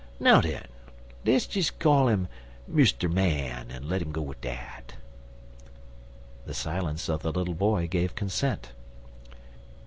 Now den, le's des call 'im Mr. Man en let 'im go at dat." The silence of the little boy gave consent.